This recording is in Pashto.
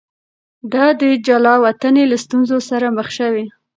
ده د جلاوطنۍ له ستونزو سره مخ شوی.